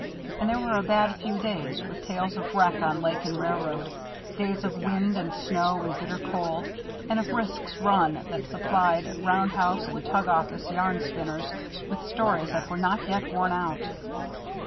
And there were a bad few days, with tales of wreck on lake and railroad, days of wind and snow and bitter cold, and of risks run that supplied round house and tug office yarn spinners with stories that were not yet worn out.